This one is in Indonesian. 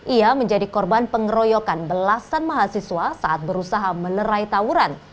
ia menjadi korban pengeroyokan belasan mahasiswa saat berusaha melerai tawuran